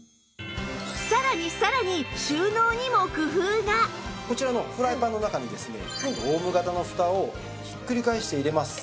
さらにさらにこちらのフライパンの中にですねドーム型のふたをひっくり返して入れます。